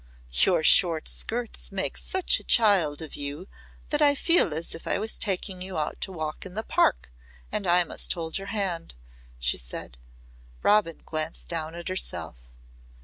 "Your short skirts make such a child of you that I feel as if I was taking you out to walk in the park, and I must hold your hand," she said. Robin glanced down at herself.